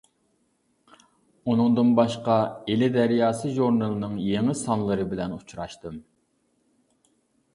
ئۇنىڭدىن باشقا «ئىلى دەرياسى» ژۇرنىلىنىڭ يېڭى سانلىرى بىلەن ئۇچراشتىم.